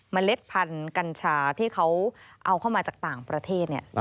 เล็ดพันธุ์กัญชาที่เขาเอาเข้ามาจากต่างประเทศ